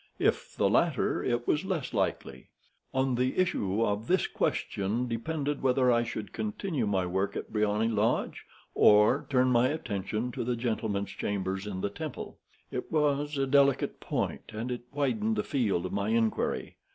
If the latter, it was less likely. On the issue of this question depended whether I should continue my work at Briony Lodge, or turn my attention to the gentleman's chambers in the Temple. It was a delicate point, and it widened the field of my inquiry.